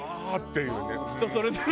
人それぞれ。